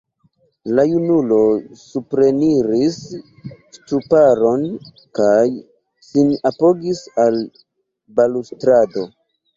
La junulo supreniris ŝtuparon, kaj sin apogis al balustrado.